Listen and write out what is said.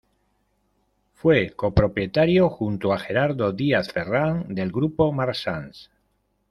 Fue copropietario, junto a Gerardo Díaz Ferrán del Grupo Marsans.